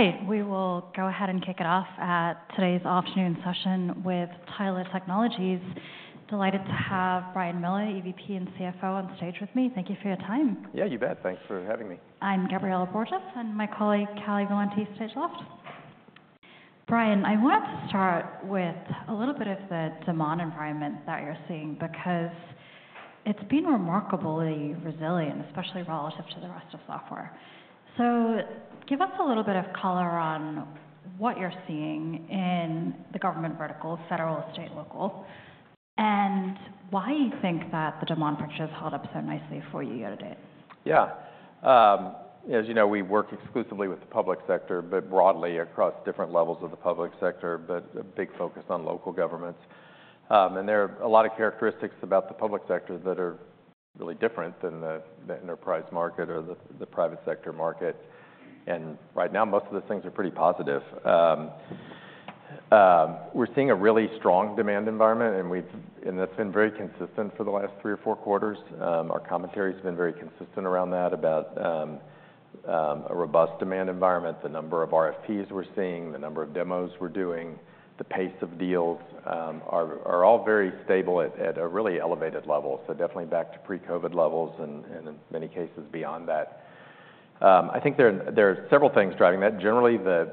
All right, we will go ahead and kick it off at today's afternoon session with Tyler Technologies. Delighted to have Brian Miller, EVP and CFO, on stage with me. Thank you for your time. Yeah, you bet. Thanks for having me. I'm Gabriela Borges, and my colleague, Callie Valenti, stage left. Brian, I wanted to start with a little bit of the demand environment that you're seeing, because it's been remarkably resilient, especially relative to the rest of software. So give us a little bit of color on what you're seeing in the government vertical, federal, state, and local, and why you think that the demand for it has held up so nicely for you year to date? Yeah. As you know, we work exclusively with the public sector, but broadly across different levels of the public sector, but a big focus on local governments, and there are a lot of characteristics about the public sector that are really different than the enterprise market or the private sector market, and right now, most of the things are pretty positive. We're seeing a really strong demand environment, and we've and that's been very consistent for the last three or four quarters. Our commentary has been very consistent around that, about a robust demand environment, the number of RFPs we're seeing, the number of demos we're doing, the pace of deals are all very stable at a really elevated level. So definitely back to pre-COVID levels and in many cases beyond that. I think there are several things driving that. Generally, the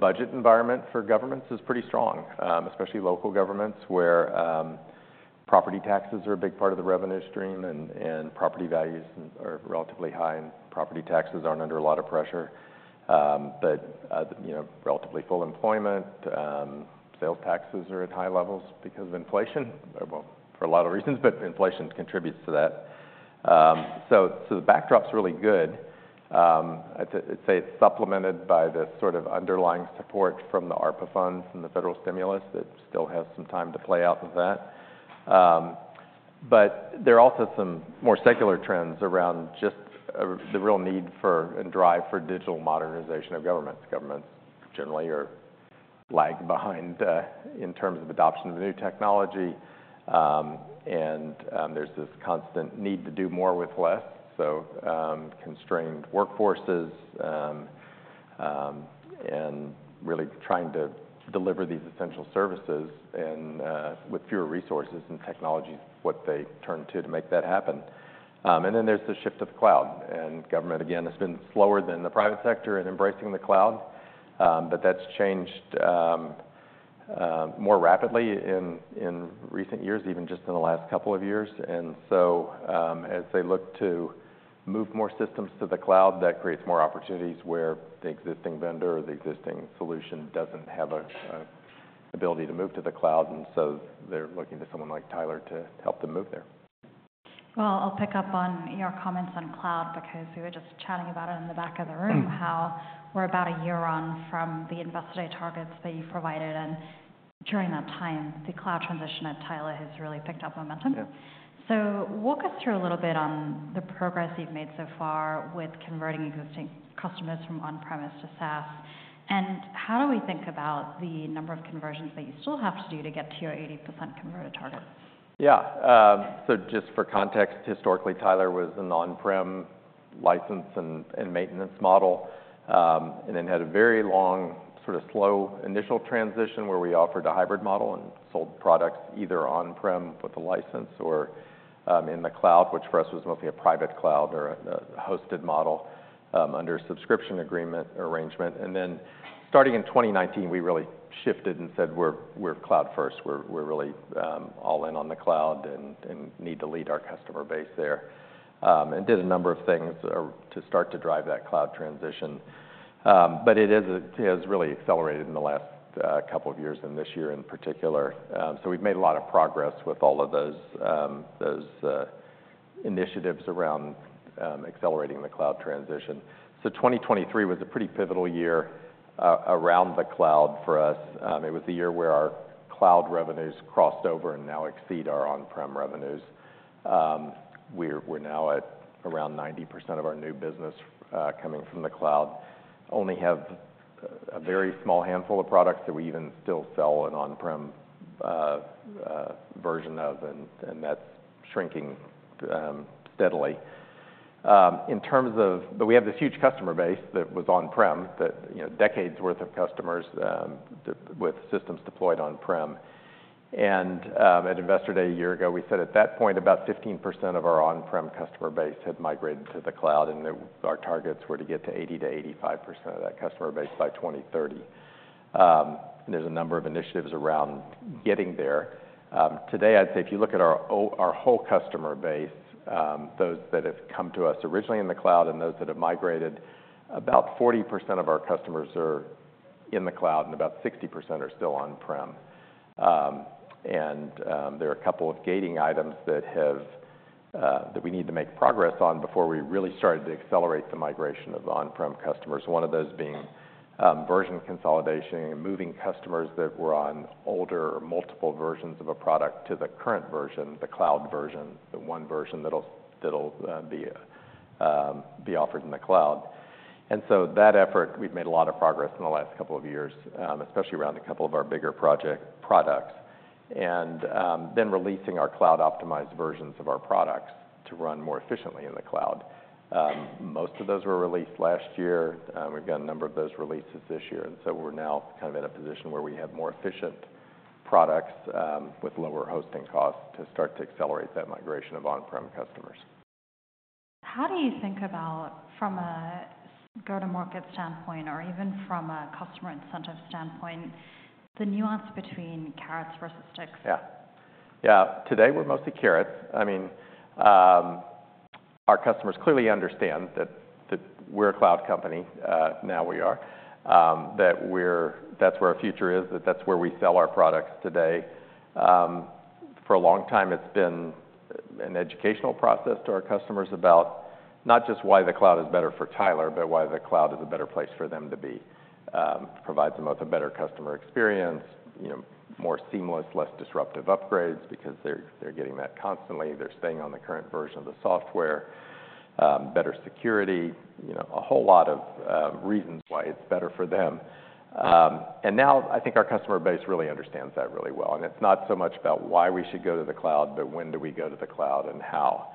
budget environment for governments is pretty strong, especially local governments, where property taxes are a big part of the revenue stream and property values are relatively high, and property taxes aren't under a lot of pressure. But you know, relatively full employment, sales taxes are at high levels because of inflation. Well, for a lot of reasons, but inflation contributes to that. So the backdrop's really good. I'd say it's supplemented by the sort of underlying support from the ARPA funds and the federal stimulus that still has some time to play out with that. But there are also some more secular trends around just the real need for and drive for digital modernization of governments. Governments generally are lagged behind in terms of adoption of the new technology, and there's this constant need to do more with less, so constrained workforces and really trying to deliver these essential services and with fewer resources and technology, what they turn to to make that happen. And then there's the shift to the cloud, and government, again, has been slower than the private sector in embracing the cloud. But that's changed more rapidly in recent years, even just in the last couple of years. And so as they look to move more systems to the cloud, that creates more opportunities where the existing vendor or the existing solution doesn't have an ability to move to the cloud, and so they're looking to someone like Tyler to help them move there. I'll pick up on your comments on cloud, because we were just chatting about it in the back of the room. Mm. How we're about a year on from the Investor Day targets that you provided, and during that time, the cloud transition at Tyler has really picked up momentum. Yeah. So walk us through a little bit on the progress you've made so far with converting existing customers from on-premise to SaaS, and how do we think about the number of conversions that you still have to do to get to your 80% converted target? Yeah. So just for context, historically, Tyler was an on-prem license and maintenance model, and then had a very long, sort of slow initial transition, where we offered a hybrid model and sold products either on-prem with a license or in the cloud, which for us was mostly a private cloud or a hosted model, under a subscription agreement arrangement. And then, starting in 2019, we really shifted and said, "We're cloud first. We're really all in on the cloud and need to lead our customer base there," and did a number of things to start to drive that cloud transition. But it is, it has really accelerated in the last couple of years and this year in particular. So we've made a lot of progress with all of those, those initiatives around accelerating the cloud transition. 2023 was a pretty pivotal year around the cloud for us. It was the year where our cloud revenues crossed over and now exceed our on-prem revenues. We're now at around 90% of our new business coming from the cloud. Only have a very small handful of products that we even still sell an on-prem version of, and that's shrinking steadily. In terms of... But we have this huge customer base that was on-prem, that you know decades worth of customers with systems deployed on-prem. At Investor Day, a year ago, we said at that point, about 15% of our on-prem customer base had migrated to the cloud, and our targets were to get to 80%-85% of that customer base by 2030. There's a number of initiatives around getting there. Today, I'd say if you look at our whole customer base, those that have come to us originally in the cloud and those that have migrated, about 40% of our customers are in the cloud, and about 60% are still on-prem. There are a couple of gating items that we need to make progress on before we really start to accelerate the migration of on-prem customers. One of those being version consolidation, moving customers that were on older or multiple versions of a product to the current version, the cloud version, the one version that'll be offered in the cloud. And so that effort, we've made a lot of progress in the last couple of years, especially around a couple of our bigger project products. And then releasing our cloud-optimized versions of our products to run more efficiently in the cloud. Most of those were released last year, we've got a number of those releases this year, and so we're now kind of in a position where we have more efficient products with lower hosting costs to start to accelerate that migration of on-prem customers. How do you think about, from a go-to-market standpoint or even from a customer incentive standpoint, the nuance between carrots versus sticks? Yeah. Yeah, today we're mostly carrots. I mean, our customers clearly understand that we're a cloud company, now we are. That we're, that's where our future is, that's where we sell our products today. For a long time, it's been an educational process to our customers about not just why the cloud is better for Tyler, but why the cloud is a better place for them to be. Provides them with a better customer experience, you know, more seamless, less disruptive upgrades because they're getting that constantly. They're staying on the current version of the software, better security, you know, a whole lot of reasons why it's better for them. And now I think our customer base really understands that really well, and it's not so much about why we should go to the cloud, but when do we go to the cloud and how?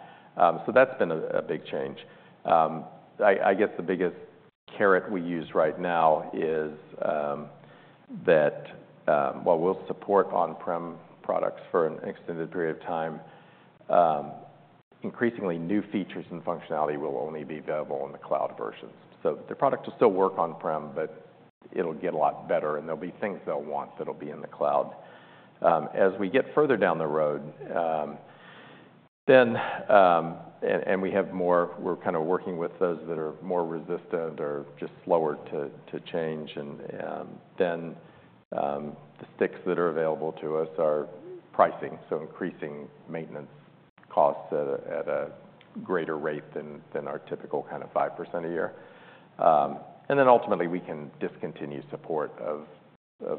So that's been a big change. I guess the biggest carrot we use right now is that while we'll support on-prem products for an extended period of time, increasingly new features and functionality will only be available in the cloud versions. So the product will still work on-prem, but it'll get a lot better, and there'll be things they'll want that'll be in the cloud. As we get further down the road, then... We're kind of working with those that are more resistant or just slower to change, and then the sticks that are available to us are pricing, so increasing maintenance costs at a greater rate than our typical kind of 5% a year, and then ultimately, we can discontinue support of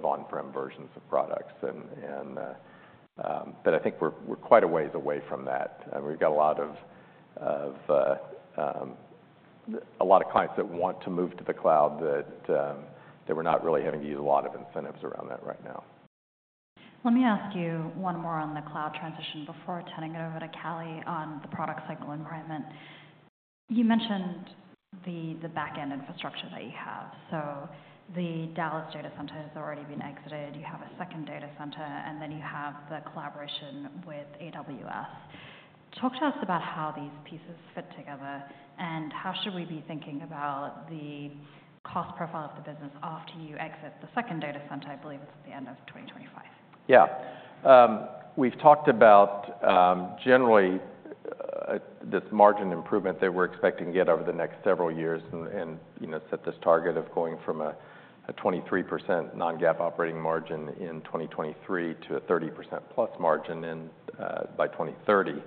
on-prem versions of products, but I think we're quite a ways away from that. We've got a lot of clients that want to move to the cloud that we're not really having to use a lot of incentives around that right now. Let me ask you one more on the cloud transition before turning it over to Callie on the product cycle environment. You mentioned the back-end infrastructure that you have. So the Dallas data center has already been exited. You have a second data center, and then you have the collaboration with AWS. Talk to us about how these pieces fit together, and how should we be thinking about the cost profile of the business after you exit the second data center, I believe, it's at the end of 2025? Yeah. We've talked about, generally, this margin improvement that we're expecting to get over the next several years and, you know, set this target of going from a 23% non-GAAP operating margin in 2023 to a 30% plus margin in, by 2030.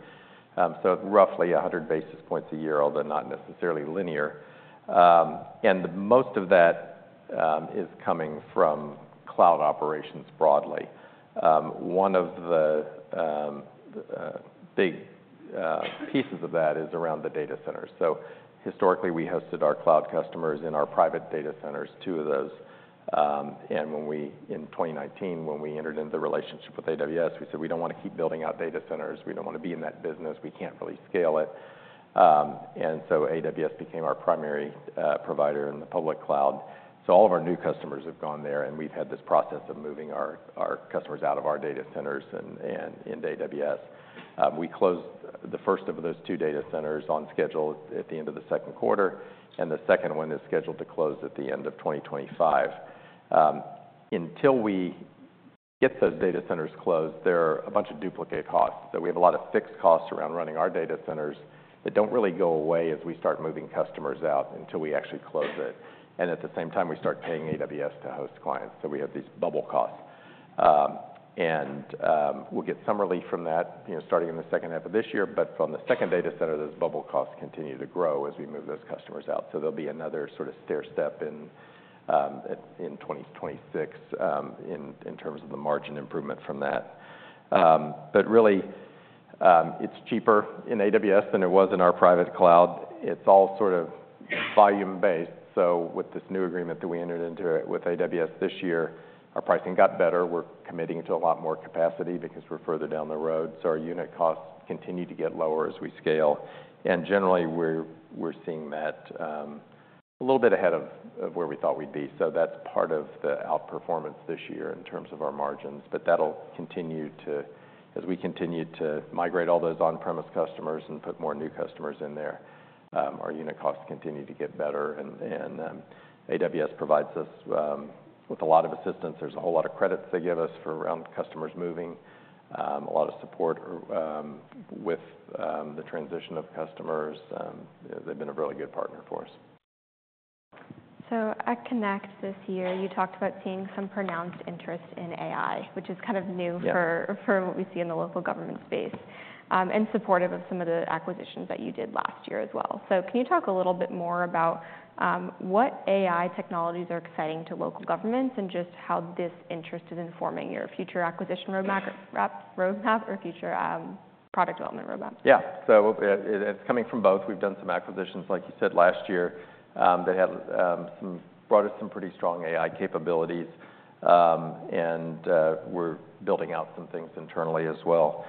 So roughly 100 basis points a year, although not necessarily linear. Most of that is coming from cloud operations broadly. One of the big pieces of that is around the data center. So historically, we hosted our cloud customers in our private data centers, two of those. And when we, in 2019, when we entered into the relationship with AWS, we said: We don't want to keep building out data centers. We don't want to be in that business. We can't really scale it. So AWS became our primary provider in the public cloud. So all of our new customers have gone there, and we've had this process of moving our customers out of our data centers and into AWS. We closed the first of those two data centers on schedule at the end of the second quarter, and the second one is scheduled to close at the end of 2025. Until we get those data centers closed, there are a bunch of duplicate costs that we have a lot of fixed costs around running our data centers that don't really go away as we start moving customers out until we actually close it, and at the same time, we start paying AWS to host clients, so we have these bubble costs. And we'll get some relief from that, you know, starting in the second half of this year. But from the second data center, those bubble costs continue to grow as we move those customers out. So there'll be another sort of stairstep in 2026 in terms of the margin improvement from that. But really, it's cheaper in AWS than it was in our private cloud. It's all sort of volume-based. So with this new agreement that we entered into it with AWS this year, our pricing got better. We're committing to a lot more capacity because we're further down the road, so our unit costs continue to get lower as we scale. And generally, we're seeing that a little bit ahead of where we thought we'd be. So that's part of the outperformance this year in terms of our margins, but that'll continue to... As we continue to migrate all those on-premise customers and put more new customers in there, our unit costs continue to get better, and AWS provides us with a lot of assistance. There's a whole lot of credits they give us for around customers moving, a lot of support with the transition of customers. They've been a really good partner for us. So at Connect this year, you talked about seeing some pronounced interest in AI, which is kind of new- Yeah. - for what we see in the local government space, and supportive of some of the acquisitions that you did last year as well. So can you talk a little bit more about what AI technologies are exciting to local governments and just how this interest is informing your future acquisition roadmap or roadmap or future product development roadmap? Yeah, so it's coming from both. We've done some acquisitions, like you said, last year, that have brought us some pretty strong AI capabilities, and we're building out some things internally as well.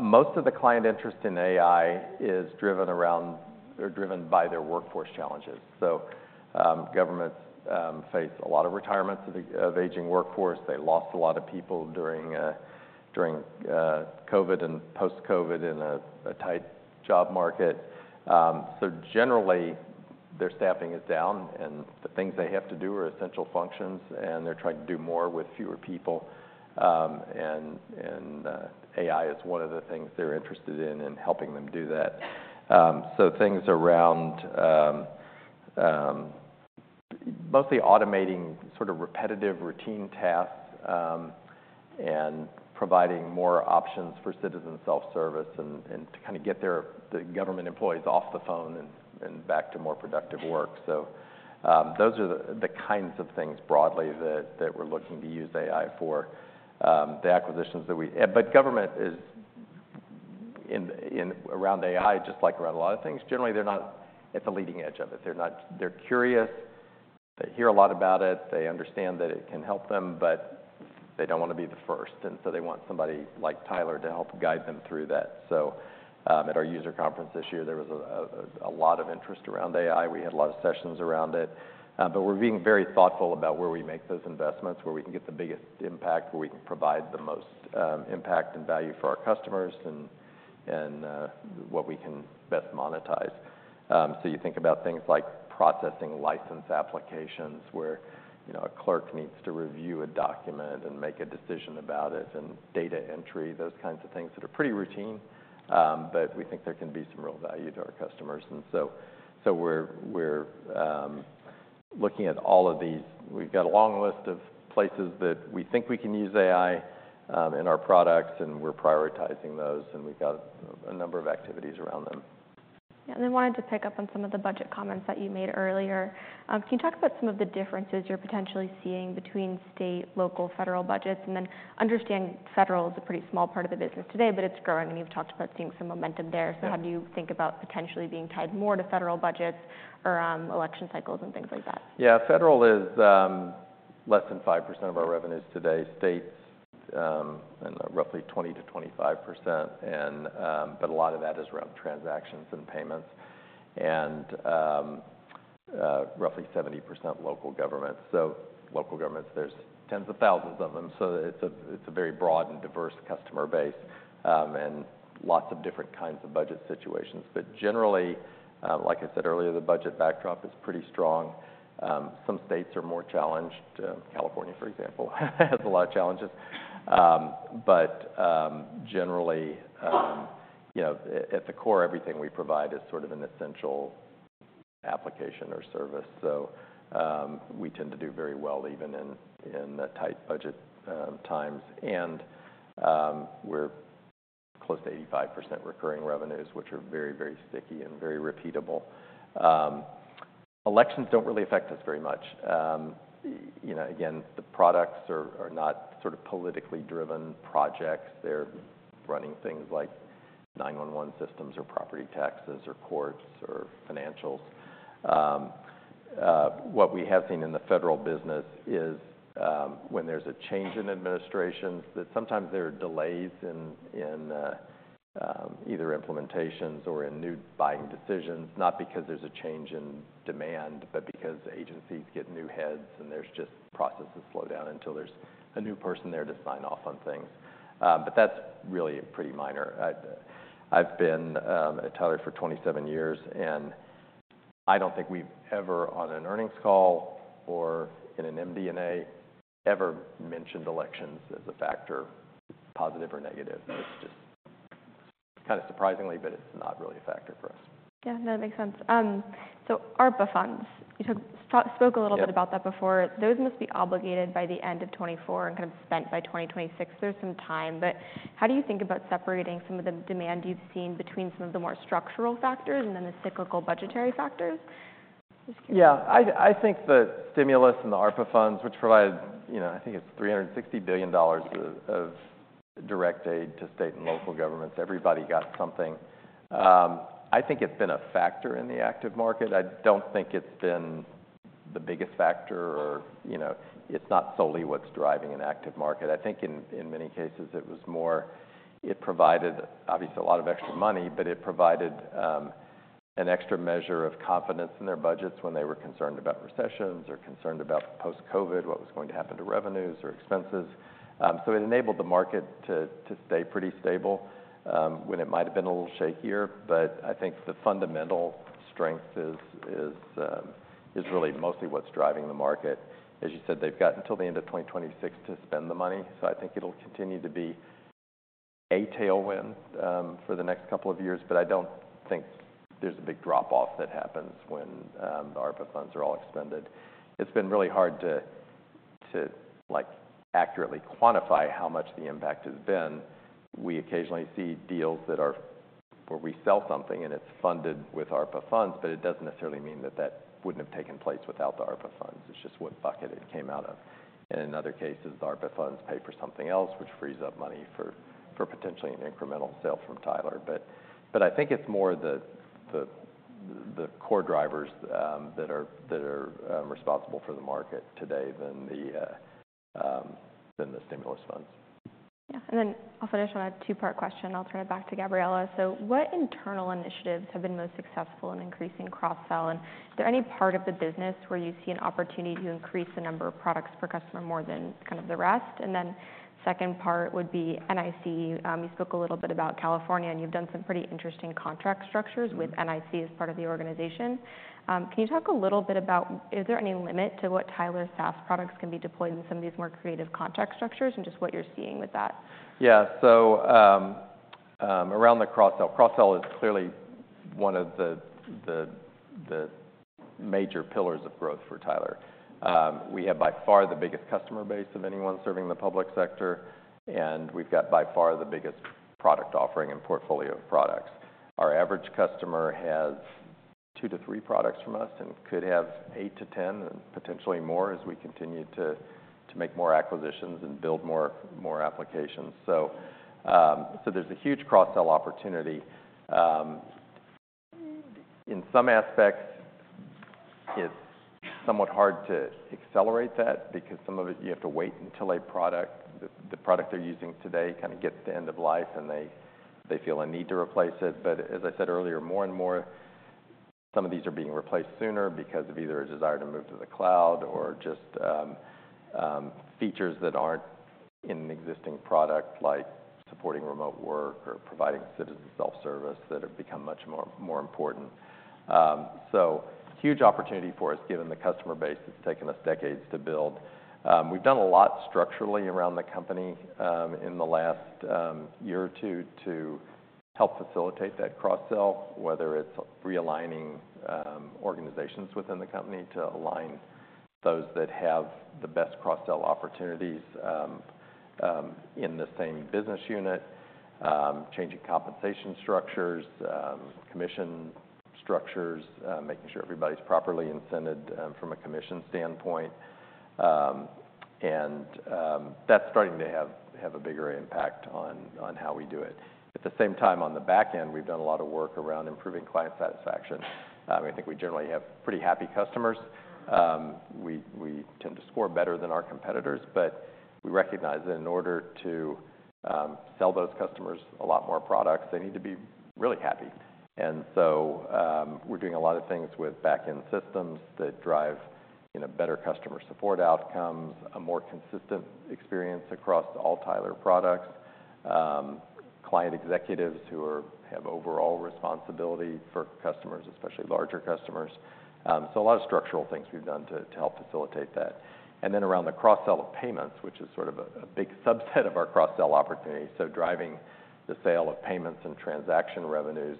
Most of the client interest in AI is driven. They're driven by their workforce challenges. So, governments face a lot of retirements of the aging workforce. They lost a lot of people during COVID and post-COVID in a tight job market. So generally, their staffing is down, and the things they have to do are essential functions, and they're trying to do more with fewer people, and AI is one of the things they're interested in helping them do that. So things around mostly automating sort of repetitive, routine tasks, and providing more options for citizen self-service and to kind of get the government employees off the phone and back to more productive work. So those are the kinds of things broadly that we're looking to use AI for. But government is interested in AI, just like around a lot of things, generally, they're not at the leading edge of it. They're curious, they hear a lot about it. They understand that it can help them, but they don't wanna be the first, and so they want somebody like Tyler to help guide them through that. So at our user conference this year, there was a lot of interest around AI. We had a lot of sessions around it, but we're being very thoughtful about where we make those investments, where we can get the biggest impact, where we can provide the most impact and value for our customers, and what we can best monetize, so you think about things like processing license applications, where, you know, a clerk needs to review a document and make a decision about it, and data entry, those kinds of things that are pretty routine, but we think there can be some real value to our customers, and so we're looking at all of these. We've got a long list of places that we think we can use AI in our products, and we're prioritizing those, and we've got a number of activities around them. Yeah, and I wanted to pick up on some of the budget comments that you made earlier. Can you talk about some of the differences you're potentially seeing between state, local, federal budgets? And then, understanding federal is a pretty small part of the business today, but it's growing, and you've talked about seeing some momentum there. Yeah. So how do you think about potentially being tied more to federal budgets or, election cycles and things like that? Yeah, federal is less than 5% of our revenues today. States and roughly 20%-25%, and but a lot of that is around transactions and payments, and roughly 70% local government. So local governments, there's tens of thousands of them, so it's a very broad and diverse customer base, and lots of different kinds of budget situations. But generally, like I said earlier, the budget backdrop is pretty strong. Some states are more challenged. California, for example, has a lot of challenges. But generally, you know, at the core, everything we provide is sort of an essential application or service, so we tend to do very well, even in tight budget times. We're close to 85% recurring revenues, which are very, very sticky and very repeatable. Elections don't really affect us very much. You know, again, the products are not sort of politically driven projects. They're running things like 911 systems or property taxes or courts or financials. What we have seen in the federal business is, when there's a change in administrations, that sometimes there are delays in either implementations or in new buying decisions, not because there's a change in demand, but because agencies get new heads, and there's just processes slow down until there's a new person there to sign off on things. But that's really pretty minor. I've been at Tyler for 27 years, and I don't think we've ever, on an earnings call or in an MD&A, ever mentioned elections as a factor, positive or negative. It's just kind of surprising, but it's not really a factor for us. Yeah, no, that makes sense. So ARPA funds, spoke a little bit. Yeah... about that before. Those must be obligated by the end of 2024 and kind of spent by 2026. There's some time, but how do you think about separating some of the demand you've seen between some of the more structural factors and then the cyclical budgetary factors? Yeah, I think the stimulus and the ARPA funds, which provided, you know, I think it's $36 billion of direct aid to state and local governments, everybody got something. I think it's been a factor in the active market. I don't think it's been the biggest factor or, you know, it's not solely what's driving an active market. I think in many cases, it was more. It provided, obviously, a lot of extra money, but it provided an extra measure of confidence in their budgets when they were concerned about recessions or concerned about post-COVID, what was going to happen to revenues or expenses, so it enabled the market to stay pretty stable when it might have been a little shakier, but I think the fundamental strength is really mostly what's driving the market. As you said, they've got until the end of 2026 to spend the money, so I think it'll continue to be a tailwind for the next couple of years. But I don't think there's a big drop-off that happens when the ARPA funds are all expended. It's been really hard to like accurately quantify how much the impact has been. We occasionally see deals that are where we sell something, and it's funded with ARPA funds, but it doesn't necessarily mean that that wouldn't have taken place without the ARPA funds. It's just what bucket it came out of. And in other cases, ARPA funds pay for something else, which frees up money for potentially an incremental sale from Tyler. But I think it's more the... the core drivers that are responsible for the market today than the stimulus funds. Yeah, and then I'll finish on a two-part question, and I'll turn it back to Gabriela. So what internal initiatives have been most successful in increasing cross-sell? And is there any part of the business where you see an opportunity to increase the number of products per customer more than kind of the rest? And then second part would be NIC. You spoke a little bit about California, and you've done some pretty interesting contract structures with NIC as part of the organization. Can you talk a little bit about, is there any limit to what Tyler's SaaS products can be deployed in some of these more creative contract structures, and just what you're seeing with that? Yeah. So, around the cross-sell. Cross-sell is clearly one of the major pillars of growth for Tyler. We have, by far, the biggest customer base of anyone serving the public sector, and we've got, by far, the biggest product offering and portfolio of products. Our average customer has two to three products from us, and could have eight to 10, and potentially more, as we continue to make more acquisitions and build more applications. So, there's a huge cross-sell opportunity. In some aspects, it's somewhat hard to accelerate that because some of it, you have to wait until a product, the product they're using today kind of gets to end of life, and they feel a need to replace it. But as I said earlier, more and more, some of these are being replaced sooner because of either a desire to move to the cloud or just features that aren't in the existing product, like supporting remote work or providing citizen self-service, that have become much more important. So huge opportunity for us, given the customer base it's taken us decades to build. We've done a lot structurally around the company in the last year or two to help facilitate that cross-sell, whether it's realigning organizations within the company to align those that have the best cross-sell opportunities in the same business unit, changing compensation structures, commission structures, making sure everybody's properly incented from a commission standpoint. And that's starting to have a bigger impact on how we do it. At the same time, on the back end, we've done a lot of work around improving client satisfaction. I think we generally have pretty happy customers. We tend to score better than our competitors, but we recognize that in order to sell those customers a lot more products, they need to be really happy, and so we're doing a lot of things with back-end systems that drive, you know, better customer support outcomes, a more consistent experience across all Tyler products, client executives who have overall responsibility for customers, especially larger customers, so a lot of structural things we've done to help facilitate that. And then around the cross-sell of payments, which is sort of a big subset of our cross-sell opportunities, so driving the sale of payments and transaction revenues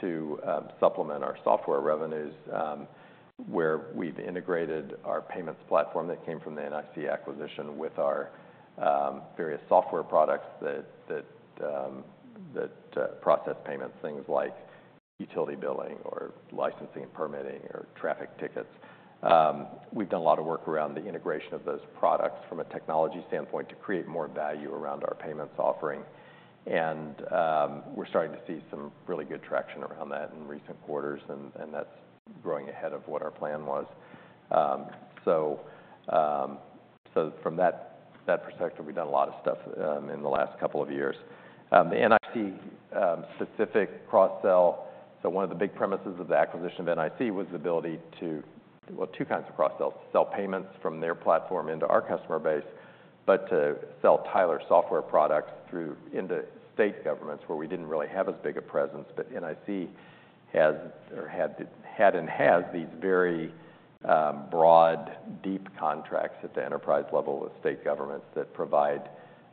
to supplement our software revenues, where we've integrated our payments platform that came from the NIC acquisition with our various software products that process payments, things like utility billing or licensing, permitting, or traffic tickets. We've done a lot of work around the integration of those products from a technology standpoint, to create more value around our payments offering. And we're starting to see some really good traction around that in recent quarters, and that's growing ahead of what our plan was. So from that perspective, we've done a lot of stuff in the last couple of years. The NIC specific cross-sell... So one of the big premises of the acquisition of NIC was the ability to... Well, two kinds of cross-sell. Sell payments from their platform into our customer base, but to sell Tyler software products through into state governments, where we didn't really have as big a presence. But NIC has or had and has these very broad, deep contracts at the enterprise level with state governments that provide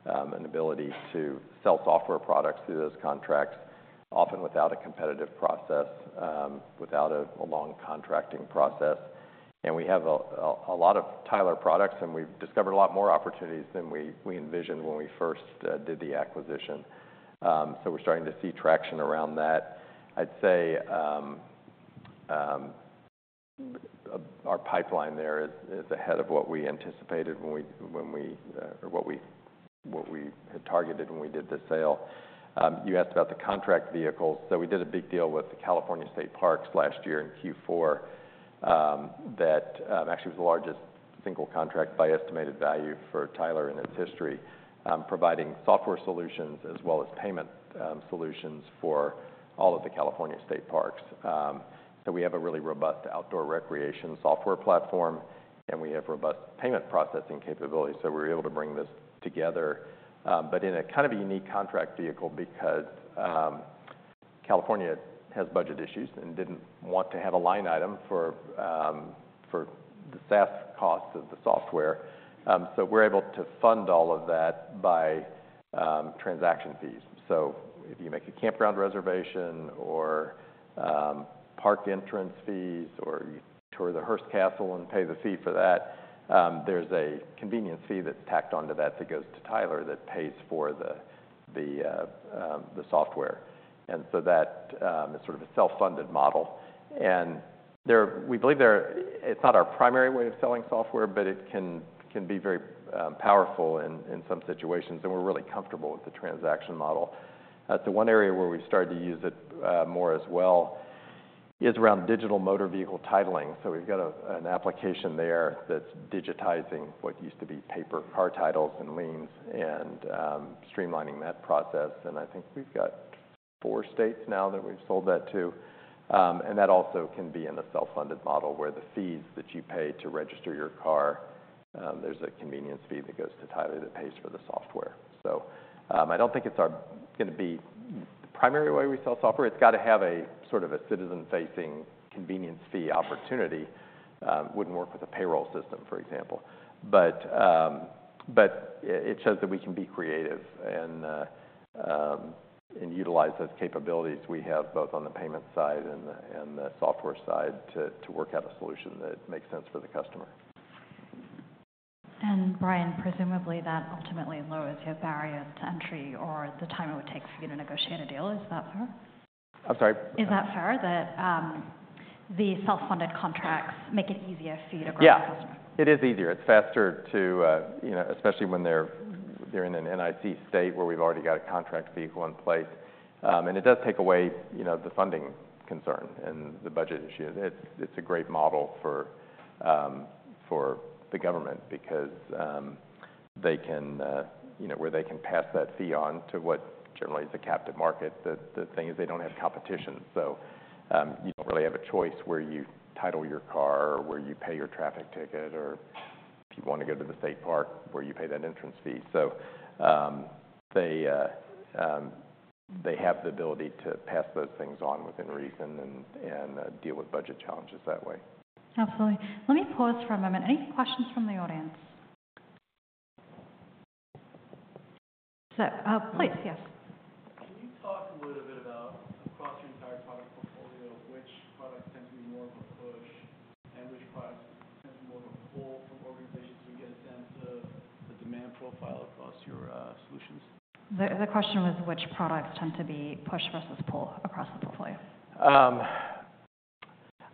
an ability to sell software products through those contracts, often without a competitive process, without a long contracting process. And we have a lot of Tyler products, and we've discovered a lot more opportunities than we envisioned when we first did the acquisition. So we're starting to see traction around that. I'd say, our pipeline there is ahead of what we anticipated when we or what we had targeted when we did the sale. You asked about the contract vehicles. So we did a big deal with the California State Parks last year in Q4, that actually was the largest single contract by estimated value for Tyler in its history, providing software solutions as well as payment solutions for all of the California state parks. So we have a really robust outdoor recreation software platform, and we have robust payment processing capabilities, so we were able to bring this together. But in a kind of a unique contract vehicle, because California has budget issues and didn't want to have a line item for the SaaS costs of the software. So we're able to fund all of that by transaction fees. So if you make a campground reservation or park entrance fees, or you tour the Hearst Castle and pay the fee for that, there's a convenience fee that's tacked onto that, that goes to Tyler, that pays for the software. And so that is sort of a self-funded model.... And there, we believe it's not our primary way of selling software, but it can be very powerful in some situations, and we're really comfortable with the transaction model. The one area where we've started to use it more as well is around digital motor vehicle titling. So we've got an application there that's digitizing what used to be paper car titles and liens, and streamlining that process. I think we've got four states now that we've sold that to. That also can be in a self-funded model, where the fees that you pay to register your car, there's a convenience fee that goes to Tyler that pays for the software. I don't think it's gonna be the primary way we sell software. It's got to have a sort of a citizen-facing convenience fee opportunity. Wouldn't work with a payroll system, for example. It shows that we can be creative and utilize those capabilities we have, both on the payment side and the software side, to work out a solution that makes sense for the customer. And Brian, presumably, that ultimately lowers your barrier to entry or the time it would take for you to negotiate a deal. Is that fair? I'm sorry? Is that fair, that, the self-funded contracts make it easier for you to grow your customer? Yeah, it is easier. It's faster to, you know, especially when they're, they're in an NIC state where we've already got a contract vehicle in place. And it does take away, you know, the funding concern and the budget issue. It's, it's a great model for, for the government because, they can, you know, where they can pass that fee on to what generally is a captive market. The, the thing is they don't have competition, so, you don't really have a choice where you title your car, or where you pay your traffic ticket, or if you want to go to the state park, where you pay that entrance fee. So, they, they have the ability to pass those things on within reason and, and, deal with budget challenges that way. Absolutely. Let me pause for a moment. Any questions from the audience? So, please, yes. Can you talk a little bit about, across your entire product portfolio, which products tend to be more of a push and which products tend to be more of a pull from organizations, to get a sense of the demand profile across your solutions? The question was: Which products tend to be push versus pull across the portfolio?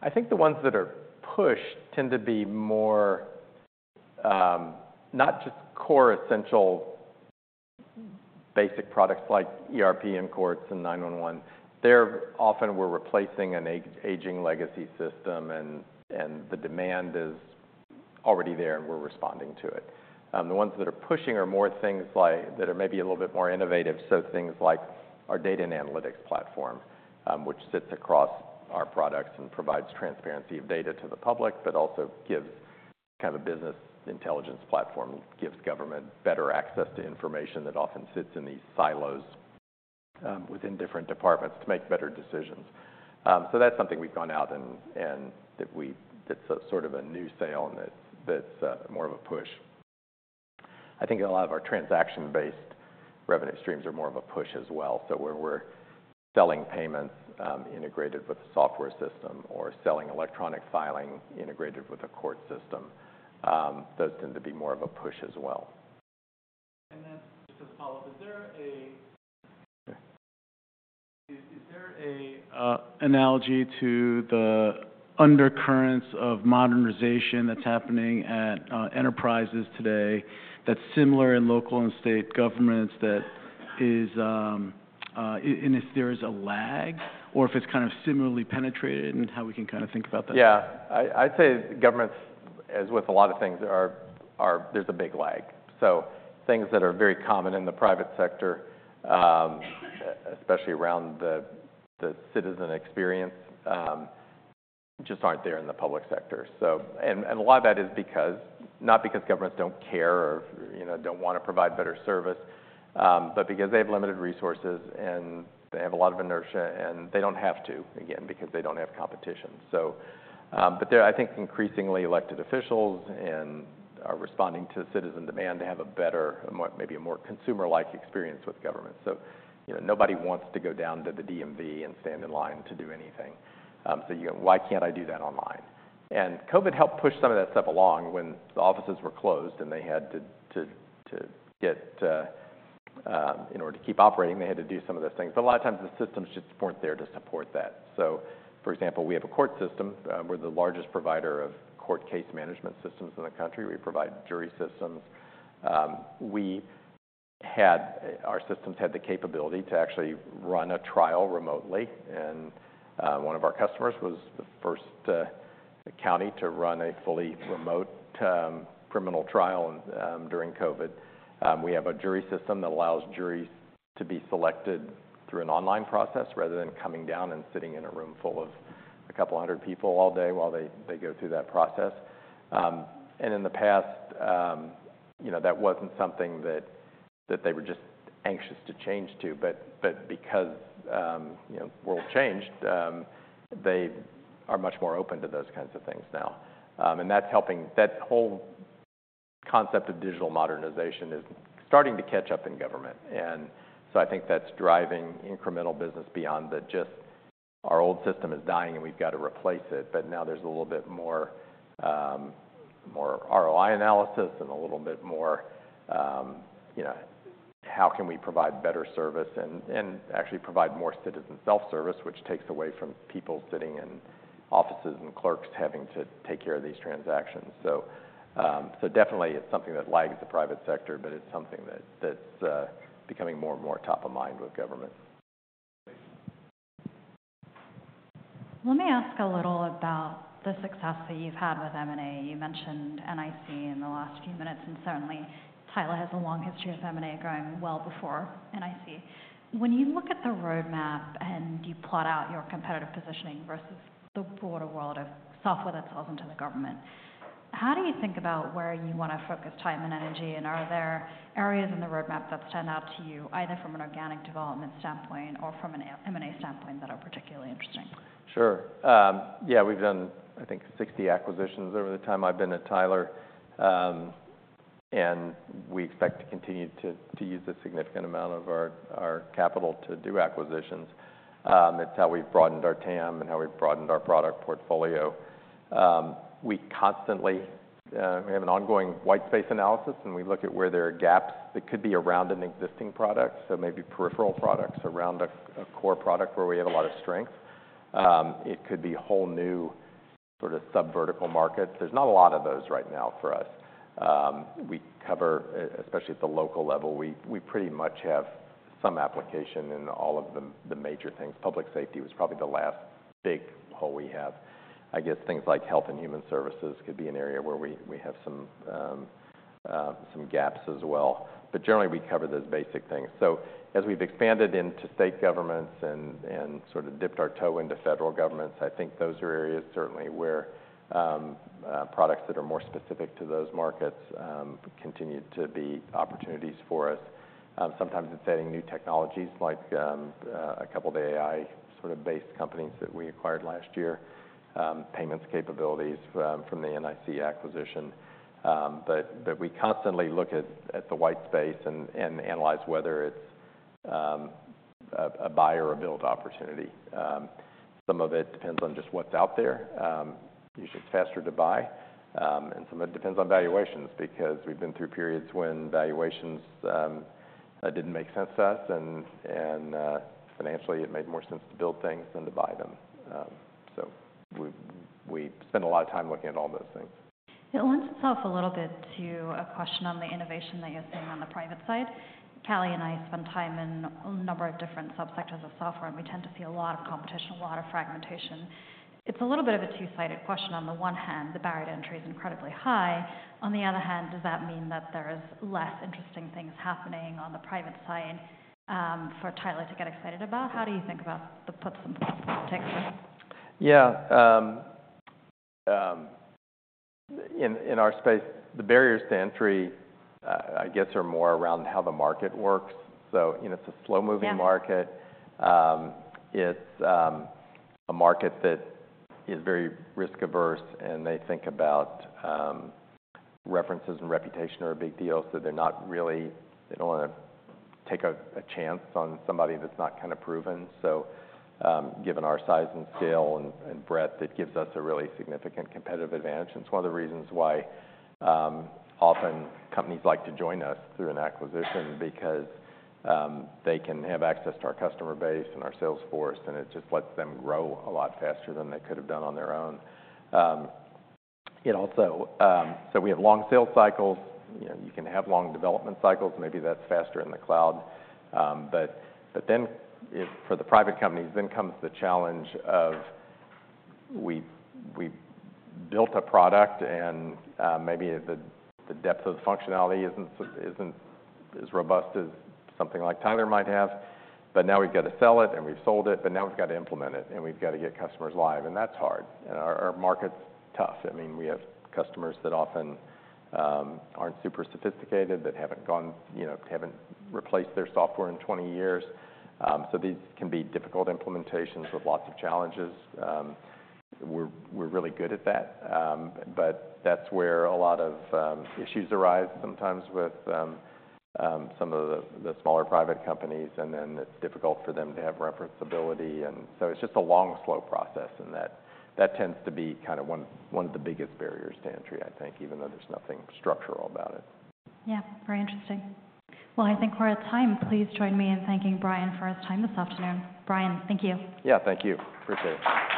I think the ones that are pushed tend to be more, not just core, essential, basic products like ERP and courts and 911. They're often we're replacing an aging legacy system, and the demand is already there, and we're responding to it. The ones that are pushing are more things like that are maybe a little bit more innovative, so things like our data and analytics platform, which sits across our products and provides transparency of data to the public, but also gives kind of a business intelligence platform, gives government better access to information that often sits in these silos, within different departments to make better decisions. So that's something we've gone out and that's a sort of a new sale and that's more of a push. I think a lot of our transaction-based revenue streams are more of a push as well, so where we're selling payments, integrated with the software system or selling electronic filing integrated with a court system, those tend to be more of a push as well. And then, just as a follow-up: Is there an analogy to the undercurrents of modernization that's happening at enterprises today that's similar in local and state governments that is... And if there is a lag or if it's kind of similarly penetrated, and how we can kinda think about that? Yeah. I'd say governments, as with a lot of things, are. There's a big lag. So things that are very common in the private sector, especially around the citizen experience, just aren't there in the public sector. So, a lot of that is because, not because governments don't care or, you know, don't want to provide better service, but because they have limited resources and they have a lot of inertia, and they don't have to, again, because they don't have competition. So, they're, I think, increasingly elected officials are responding to citizen demand to have a better, a more, maybe a more consumer-like experience with government. So, you know, nobody wants to go down to the DMV and stand in line to do anything. So, you know, why can't I do that online? And COVID helped push some of that stuff along when the offices were closed, and they had to get. In order to keep operating, they had to do some of those things. But a lot of times, the systems just weren't there to support that. So, for example, we have a court system. We're the largest provider of court case management systems in the country. We provide jury systems. Our systems had the capability to actually run a trial remotely, and one of our customers was the first county to run a fully remote criminal trial during COVID. We have a jury system that allows juries to be selected through an online process rather than coming down and sitting in a room full of a couple hundred people all day while they go through that process, and in the past, you know, that wasn't something that they were just anxious to change to, but because, you know, world changed, they are much more open to those kinds of things now, and that's helping. That whole concept of digital modernization is starting to catch up in government, and so I think that's driving incremental business beyond just, "Our old system is dying, and we've got to replace it," but now there's a little bit more ROI analysis and a little bit more, you know... How can we provide better service and actually provide more citizen self-service, which takes away from people sitting in offices and clerks having to take care of these transactions? So definitely it's something that lags the private sector, but it's something that's becoming more and more top of mind with government. Let me ask a little about the success that you've had with M&A. You mentioned NIC in the last few minutes, and certainly, Tyler has a long history of M&A, going well before NIC. When you look at the roadmap and you plot out your competitive positioning versus the broader world of software that sells into the government, how do you think about where you want to focus time and energy? And are there areas in the roadmap that stand out to you, either from an organic development standpoint or from an M&A standpoint, that are particularly interesting? Sure. Yeah, we've done, I think, 60 acquisitions over the time I've been at Tyler, and we expect to continue to use a significant amount of our capital to do acquisitions. It's how we've broadened our TAM and how we've broadened our product portfolio. We constantly. We have an ongoing white space analysis, and we look at where there are gaps that could be around an existing product, so maybe peripheral products around a core product where we have a lot of strength. It could be whole new sort of sub-vertical markets. There's not a lot of those right now for us. We cover, especially at the local level, we pretty much have some application in all of the major things. Public safety was probably the last big hole we have. I guess things like health and human services could be an area where we have some gaps as well, but generally, we cover those basic things, so as we've expanded into state governments and sort of dipped our toe into federal governments, I think those are areas certainly where products that are more specific to those markets continue to be opportunities for us. Sometimes it's adding new technologies, like a couple of AI sort of base companies that we acquired last year, payments capabilities from the NIC acquisition, but we constantly look at the white space and analyze whether it's a buy or a build opportunity. Some of it depends on just what's out there. Usually it's faster to buy, and some of it depends on valuations, because we've been through periods when valuations didn't make sense to us, and financially, it made more sense to build things than to buy them. So we spend a lot of time looking at all those things. It lends itself a little bit to a question on the innovation that you're seeing on the private side. Callie and I spend time in a number of different sub-sectors of software, and we tend to see a lot of competition, a lot of fragmentation. It's a little bit of a two-sided question. On the one hand, the barrier to entry is incredibly high. On the other hand, does that mean that there is less interesting things happening on the private side, for Tyler to get excited about? How do you think about the puts and takes? Yeah, in our space, the barriers to entry, I guess, are more around how the market works. So, you know, it's a slow-moving- Yeah... market. It's a market that is very risk-averse, and they think about references and reputation are a big deal, so they're not really. They don't wanna take a chance on somebody that's not kind of proven. So, given our size and scale and breadth, it gives us a really significant competitive advantage, and it's one of the reasons why often companies like to join us through an acquisition. Because they can have access to our customer base and our sales force, and it just lets them grow a lot faster than they could have done on their own. It also... So we have long sales cycles. You know, you can have long development cycles. Maybe that's faster in the cloud. But then if for the private companies, then comes the challenge of, we've built a product and maybe the depth of the functionality isn't as robust as something like Tyler might have, but now we've got to sell it and we've sold it, but now we've got to implement it, and we've got to get customers live, and that's hard. Our market's tough. I mean, we have customers that often aren't super sophisticated, that haven't gone... You know, haven't replaced their software in 20 years. So these can be difficult implementations with lots of challenges. We're really good at that. But that's where a lot of issues arise sometimes with some of the smaller private companies, and then it's difficult for them to have referenceability. It's just a long, slow process, and that tends to be kind of one of the biggest barriers to entry, I think, even though there's nothing structural about it. Yeah, very interesting. Well, I think we're out of time. Please join me in thanking Brian for his time this afternoon. Brian, thank you. Yeah, thank you. Appreciate it.